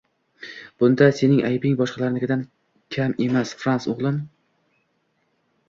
Bunda sening aybing boshqalarnikidan kam emas, Frans, o`g`lim